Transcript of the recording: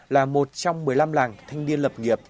là một trong một mươi năm làng thanh niên lập nghiệp